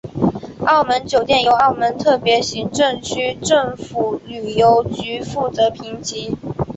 澳门酒店由澳门特别行政区政府旅游局负责评级。